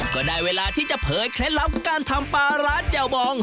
ก็ได้เวลาที่จะเผยเคล็ดลับการทำปลาร้าแจ่วบอง